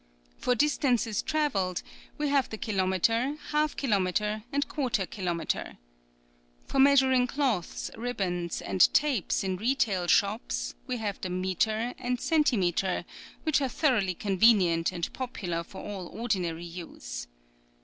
For distances travelled we have the kilometre, half kilometre and quarter kilometre. For measuring cloths, ribands and tapes, in retail shops, we have the metre and centimetre, which are thor oughly convenient and popular for all or dinary use.